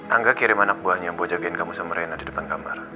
angga kirim anak buahnya yang mau jagain kamu sama rena di depan kamar